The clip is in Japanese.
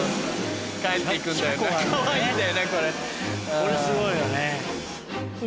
これすごいよね。